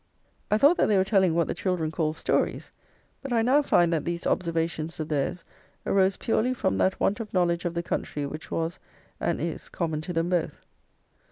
I thought that they were telling what the children call stories; but I now find that these observations of theirs arose purely from that want of knowledge of the country which was, and is, common to them both.